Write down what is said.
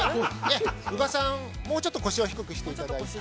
◆宇賀さん、もうちょっと腰を低くしていただいて。